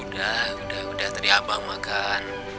udah udah udah tadi abang makan